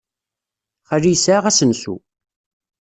Xali yesɛa asensu.